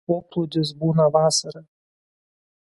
Poplūdis būna vasarą.